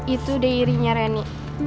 itu dairinya reni